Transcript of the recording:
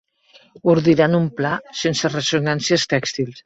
Ordiran un pla sense ressonàncies tèxtils.